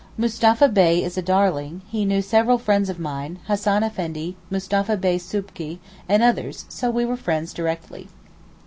Mustapha Bey is a darling; he knew several friends of mine, Hassan Effendi, Mustapha Bey Soubky, and others, so we were friends directly.